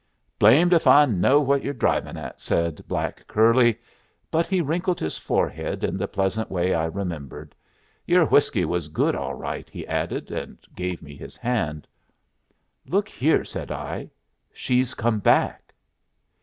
"Blamed if I know what you're drivin' at," said black curly. But he wrinkled his forehead in the pleasant way I remembered. "Yer whiskey was good all right," he added, and gave me his hand. "Look here," said I. "She's come back."